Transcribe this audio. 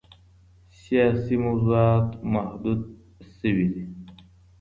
سیاسي موضوعات محدود شوي دي.